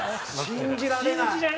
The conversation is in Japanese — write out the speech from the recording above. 信じられないね。